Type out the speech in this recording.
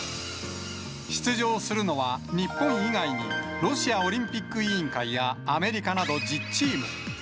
出場するのは、日本以外に、ロシアオリンピック委員会やアメリカなど１０チーム。